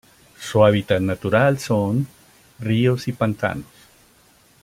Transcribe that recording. Su hábitat natural son: ríos y pantanos.